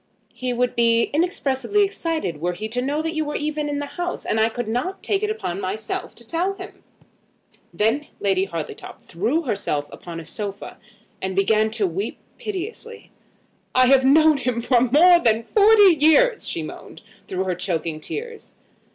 "He would be inexpressibly excited were he to know that you were even in the house. And I could not take it upon myself to tell him." Then Lady Hartletop threw herself upon a sofa, and began to weep piteously. "I have known him for more than forty years," she moaned, through her choking tears.